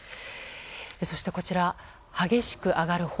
そして激しく上がる炎。